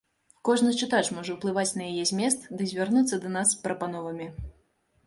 Кожны чытач можа ўплываць на яе змест ды звярнуцца да нас з прапановамі.